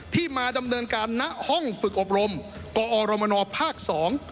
ที่มาดำเนินการณห้องฝึกอบรมกอรมนภาคสอง